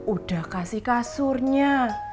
udah kasih kasurnya